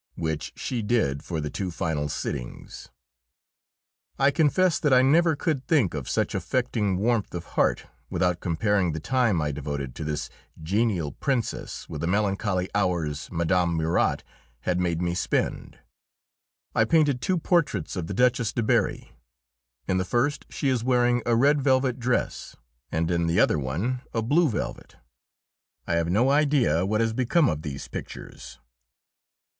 Which she did for the two final sittings. I confess that I never could think of such affecting warmth of heart without comparing the time I devoted to this genial Princess with the melancholy hours Mme. Murat had made me spend. I painted two portraits of the Duchess de Berri. In the first she is wearing a red velvet dress, and in the other one of blue velvet. I have no idea what has become of these pictures.